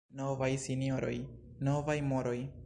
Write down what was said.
Novaj sinjoroj, — novaj moroj.